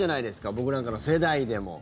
僕らなんかの世代でも。